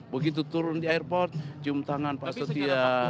begitu turun di airport cium tangan pak setia